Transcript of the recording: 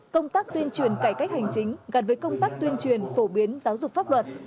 công tác tuyên truyền cải cách hành chính gắn với công tác tuyên truyền phổ biến giáo dục pháp luật